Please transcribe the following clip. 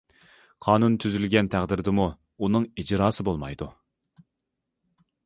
قانۇن تۈزۈلگەن تەقدىردىمۇ ئۇنىڭ ئىجراسى بولمايدۇ.